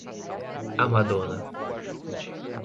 "A Madona"